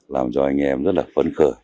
làm cho anh em rất là phấn khởi